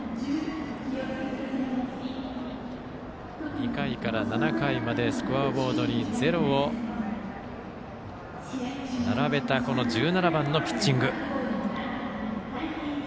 ２回から７回までスコアボードに０を並べたこの１７番のピッチング。